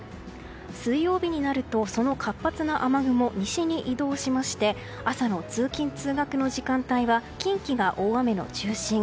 水曜日になると、その活発な雨雲西に移動しまして朝の通勤・通学の時間帯は近畿が大雨の中心。